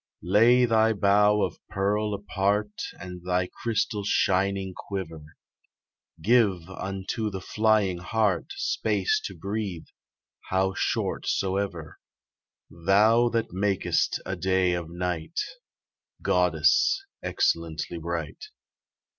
Lay thy bow of pearl apart And thy crystal shining quiver; Give unto the flying hart Space to breathe, how short soever: Thou that mak'st a day of night, Goddess excellently bright.